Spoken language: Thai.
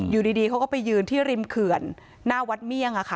อยู่ดีเขาก็ไปยืนที่ริมเขื่อนหน้าวัดเมี่ยง